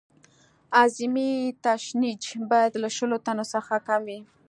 اعظمي تشنج باید له شلو ټنو څخه کم وي